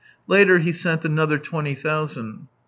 Later he sent another twenty thousand.